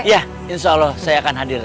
ya insya allah saya akan hadir